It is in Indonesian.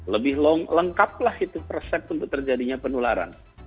lebih lengkap lah itu resep untuk terjadinya penularan